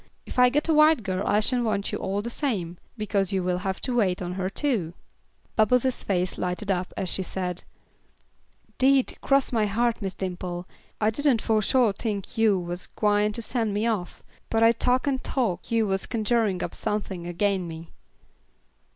If I get a white girl I shall want you all the same, because you will have to wait on her too." Bubbles' face lighted up, as she said, "'Deed, cross my heart, Miss Dimple, I didn't fo' sure think yuh was gwine to send me off, but I tuck and thought yuh was conjurin' up somethin' agin me."